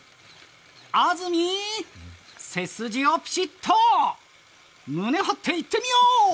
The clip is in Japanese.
あずみ、背筋をピシッと、胸張っていってみよう！